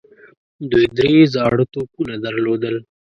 دوی درې زاړه توپونه درلودل.